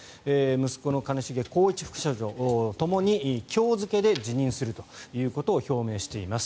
息子の兼重宏一副社長ともに今日付で辞任するということを表明しています。